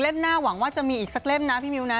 หน้าหวังว่าจะมีอีกสักเล่มนะพี่มิวนะ